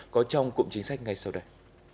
có trong cụm chính sách ngay sau đây